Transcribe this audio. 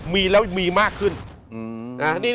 มีแล้วมีมากขึ้น